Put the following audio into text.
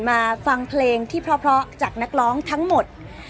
มาฟังเพลงที่เพราะจากนักร้องทั้งหมด